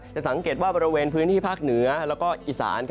สังเกตว่าบริเวณพื้นที่ภาคเหนือแล้วก็อีสาน